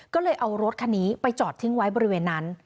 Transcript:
ก็เลยเอารถคันนี้ไปจอดทิ้งไว้บริเวณนั้น